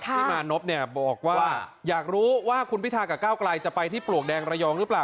เพิ่มอานพและน๊อบบอกว่าอยากรู้ว่าคนพิทากับก้าวไกลจะไปที่ปลวกแดงระยองรึเปล่า